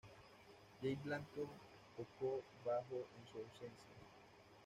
Jake Blanton tocó bajo en su ausencia.